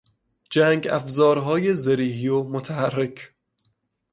جنگافزارهای زرهی و متحرک